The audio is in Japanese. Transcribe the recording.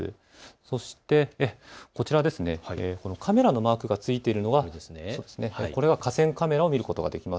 そしてこちら、カメラのマークがついているのがこれが河川カメラを見ることができます。